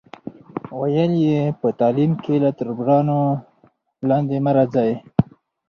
ویل یې، په تعلیم کې له تربورانو لاندې مه راځئ.